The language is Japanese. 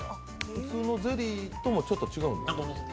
普通のゼリーともちょっと違うんですか？